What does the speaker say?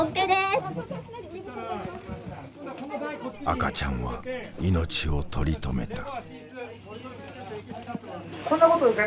赤ちゃんは命を取り留めた。